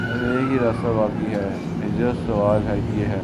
اب ایک ہی راستہ باقی ہے: ہجرت سوال یہ ہے